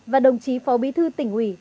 và đồng chí phó bí thư tỉnh ủy